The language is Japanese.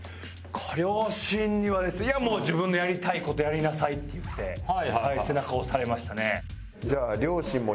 ご両親にはいやもう自分のやりたい事やりなさいって言って背中押されましたね。